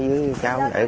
để có cái oxy